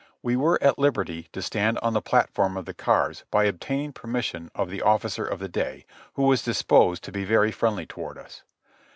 We were at liberty to stand on the platform of the cars by obtaining permission of the officer of the day, who was disposed to be very friendly toward us.